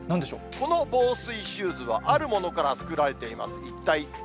この防水シューズは、あるものから作られています。